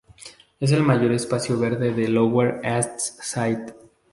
Es el mayor espacio verde de Lower East Side.